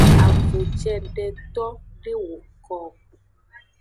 Avun cedeto de woko o.